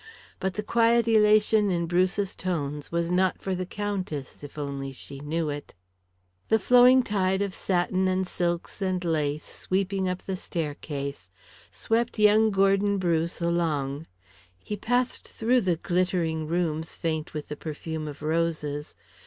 But the quiet elation in Bruce's tones was not for the Countess, if she only knew it. The flowing tide of satin and silks and lace sweeping up the staircase swept young Gordon Bruce along. He passed through the glittering rooms faint with the perfume of roses.